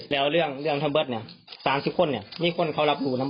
แล้วเรื่องธรรมบิษฐ์เนี่ย๓๐คนเนี่ยมีคนเขารับอยู่หรือเปล่า